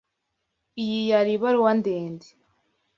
Iyi yari ibaruwa ndende.